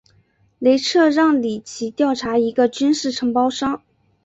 雷彻让里奇调查一个军事承包商。